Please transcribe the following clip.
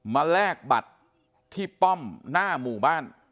แลกบัตรที่ป้อมหน้าหมู่บ้าน